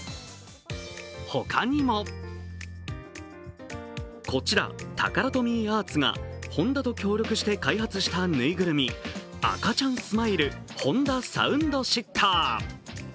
ほかにもこちら、タカラトミーアーツがホンダと協力して開発した縫いぐるみ赤ちゃんスマイルＨｏｎｄａＳＯＵＮＤＳＩＴＴＥＲ。